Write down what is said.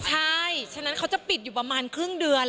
ใช่ฉะนั้นเขาจะปิดอยู่ประมาณครึ่งเดือน